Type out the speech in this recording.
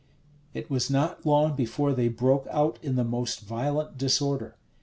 It was not long before they broke, out in the most violent disorder.